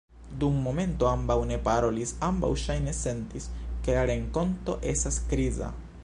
Dum momento ambaŭ ne parolis; ambaŭ ŝajne sentis, ke la renkonto estas kriza.